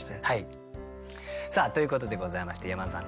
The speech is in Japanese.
さあということでございまして山田さん